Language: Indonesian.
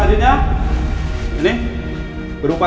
hai selanjutnya ini berupa tas